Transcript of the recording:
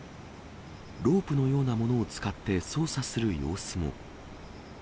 ロープのようなものを使って捜査する様子も。